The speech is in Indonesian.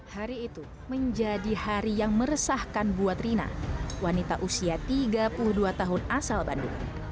hari itu menjadi hari yang meresahkan buat rina wanita usia tiga puluh dua tahun asal bandung